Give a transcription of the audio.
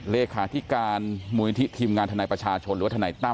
เลขาธิการมูลนิธิทีมงานทนายประชาชนหรือว่าทนายตั้